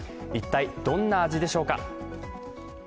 一体どんな味でしょうか。